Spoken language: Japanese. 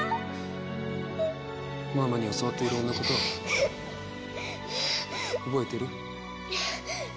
ママに教わったいろんなこと、覚えてる？